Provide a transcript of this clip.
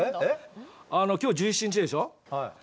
あの、今日、１７日でしょ？